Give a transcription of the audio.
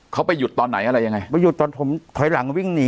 เขาไปหยุดตอนไหนอะไรยังไงไปหยุดตอนผมถอยหลังวิ่งหนี